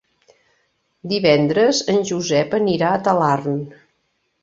Divendres en Josep anirà a Talarn.